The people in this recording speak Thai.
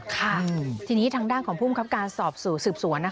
ค่ะทีนี้ทางด้านของภูมิครับการสอบสู่สืบสวน